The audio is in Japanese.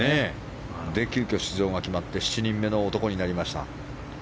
急きょ出場が決まって７人目の男になりました。